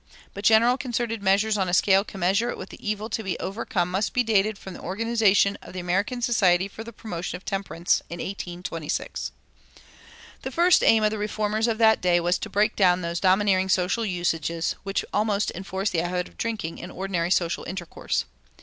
But general concerted measures on a scale commensurate with the evil to be overcome must be dated from the organization of the "American Society for the Promotion of Temperance," in 1826. The first aim of the reformers of that day was to break down those domineering social usages which almost enforced the habit of drinking in ordinary social intercourse.